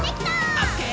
「オッケー！